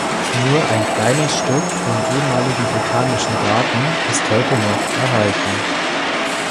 Nur ein kleines Stück im ehemaligen Botanischen Garten ist heute noch erhalten.